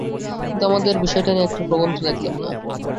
কিন্তু, আমাদের বিষয়টা নিয়ে একটা প্রবন্ধও দেখলাম না।